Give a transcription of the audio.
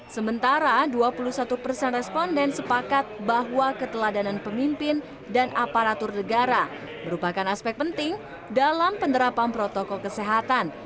sementara dua puluh satu persen responden sepakat bahwa keteladanan pemimpin dan aparatur negara merupakan aspek penting dalam penerapan protokol kesehatan